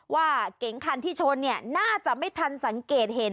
เก๋งคันที่ชนน่าจะไม่ทันสังเกตเห็น